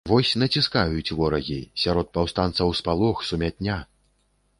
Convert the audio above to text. Вось націскаюць ворагі, сярод паўстанцаў спалох, сумятня.